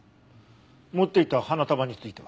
持っていた花束については？